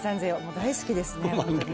大好きですね。